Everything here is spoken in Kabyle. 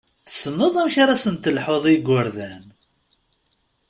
Tessneḍ amek ad sen-telḥuḍ i yigurdan!